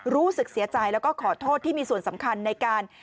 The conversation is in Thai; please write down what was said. รู้สึกเสียใจแล้วก็ขอโทษที่มีส่วนสำคัญในการ